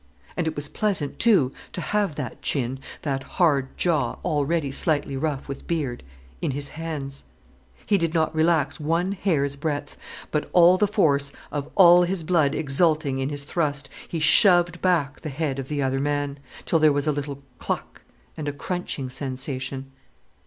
And it was pleasant, too, to have that chin, that hard jaw already slightly rough with beard, in his hands. He did not relax one hair's breadth, but, all the force of all his blood exulting in his thrust, he shoved back the head of the other man, till there was a little cluck and a crunching sensation.